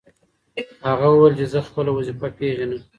هغه وویل چې زه خپله وظیفه پېژنم.